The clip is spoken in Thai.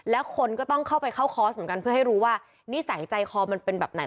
แล้วคนก็ต้องเข้าไปเข้าคอร์สเหมือนกันเพื่อให้รู้ว่านิสัยใจคอมันเป็นแบบไหน